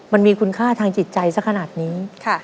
มันมีคุณค่าทางจิตใจสักขนาดนี้